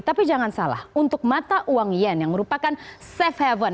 tapi jangan salah untuk mata uang yen yang merupakan safe haven